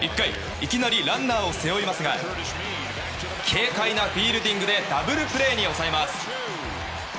いきなりランナーを背負いますが軽快なフィールディングでダブルプレーに抑えます。